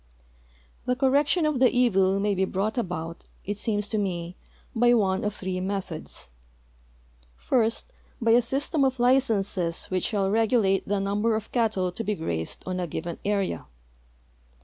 The correction of the evil may be brought about, it seems to me, 1)}' one of three methods. First, by a system of licenses which shall regulate the number of cattle to be grazed on a given area.